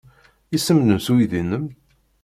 Isem-nnes uydi-nnem?